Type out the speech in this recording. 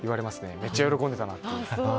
めっちゃ喜んでたなって。